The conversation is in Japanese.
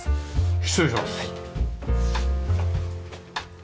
失礼します。